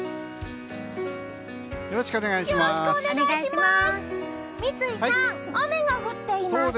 よろしくお願いします！